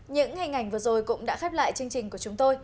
những hình ảnh vừa rồi cũng đã khép lại chương trình của chúng tôi